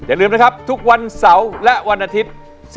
ลืมนะครับทุกวันเสาร์และวันอาทิตย์